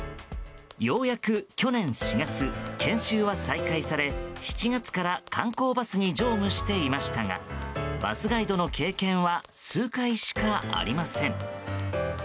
ようやく去年４月研修は再開され７月から観光バスに乗務していましたがバスガイドの経験は数回しかありません。